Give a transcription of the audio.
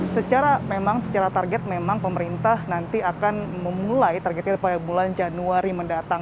secara memang secara target memang pemerintah nanti akan memulai targetnya pada bulan januari mendatang